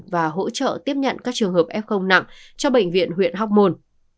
và hỗ trợ tiếp nhận các trường hợp f nặng cho bệnh viện huyện hóc môn